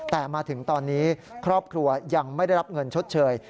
แต่มาถึงตอนนี้ครอบครัวยังไม่ได้รับเงินชดเชย